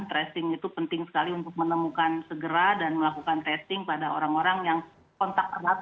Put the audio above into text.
tracing itu penting sekali untuk menemukan segera dan melakukan testing pada orang orang yang kontak erat